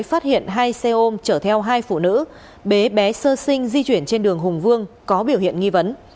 phát hiện hai xe ôm chở theo hai phụ nữ bế bé sơ sinh di chuyển trên đường hùng vương có biểu hiện nghi vấn